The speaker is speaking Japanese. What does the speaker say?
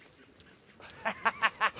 ハハハハ！